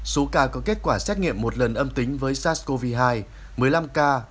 số ca có kết quả xét nghiệm một lần âm tính với sars cov hai một mươi năm ca